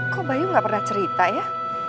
kok bayu nggak pernah cerita ya